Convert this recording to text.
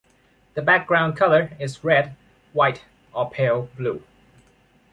The background color is red, white or pale blue.